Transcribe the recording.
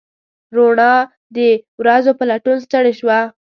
روڼا د ورځو په لټون ستړې شوه